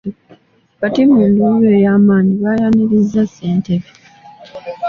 Wakati mu nduulu eyamanyi baayaniriza ssentebe.